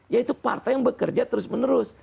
yaitu partai yang bekerja terus menerus